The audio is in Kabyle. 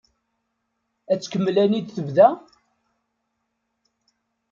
Ad tkemmel ayen i d-tebda?